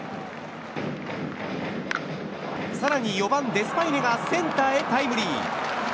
更に４番、デスパイネがセンターへタイムリー。